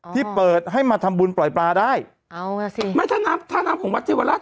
ที่เปิดให้มาทำบุญปล่อยปลาได้เอาอ่ะสิไม่ถ้าน้ำท่าน้ำของวัดเทวราช